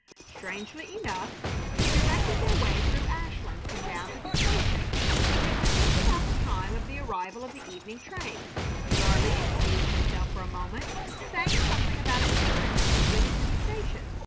Strangely enough, he directed their way through Ashland and down to the station, and it was just about the time of the arrival of the evening train. Gardley excused himself for a moment, saying something about an errand, and went into the station.